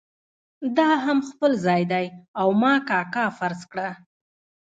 دا هم خپل ځای دی او ما کاکا فرض کړه.